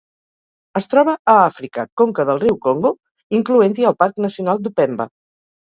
Es troba a Àfrica: conca del riu Congo, incloent-hi el Parc Nacional d'Upemba.